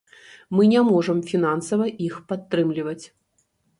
Мы не можам фінансава іх падтрымліваць.